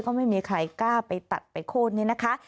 ก็ไม่มีใครกล้าไปตัดไปโค้นนี่นะคะ